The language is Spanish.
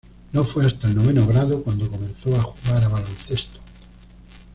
No fue hasta el noveno grado cuando comenzó a jugar a baloncesto.